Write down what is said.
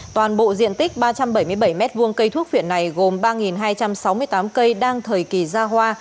toàn bộ diện tích ba trăm bảy mươi bảy m hai cây thuốc phiện này gồm ba hai trăm sáu mươi tám cây đang thời kỳ ra hoa